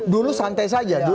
dulu santai saja